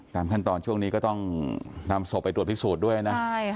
ตามขั้นตอนช่วงนี้ก็ต้องนำศพไปตรวจพิสูจน์ด้วยนะ